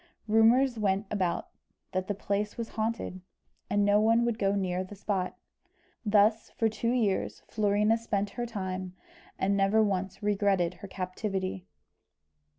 Rumours went about that the place was haunted, and no one would go near the spot. Thus, for two years, Florina spent her time, and never once regretted her captivity.